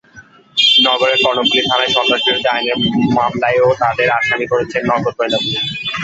নগরের কর্ণফুলী থানায় সন্ত্রাসবিরোধী আইনের মামলায়ও তাঁদের আসামি করেছে নগর গোয়েন্দা পুলিশ।